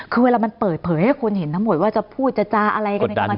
คือเวลามันเปิดเผยให้คุณเห็นทั้งหมดว่าจะพูดจะจาอะไรกัน